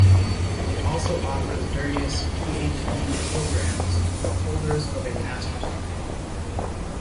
It also offers various Ph.D. programmes for holders of a master's degree.